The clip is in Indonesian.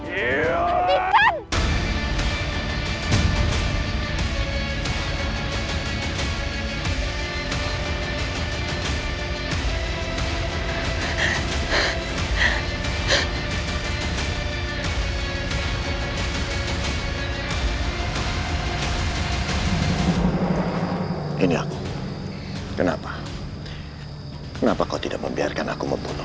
ini aku kenapa kenapa kau tidak membiarkan aku mempunyai